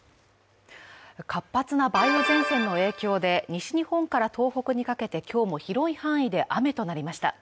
活発な梅雨前線の影響で、西日本から東北にかけて今日も広い範囲で雨となりました。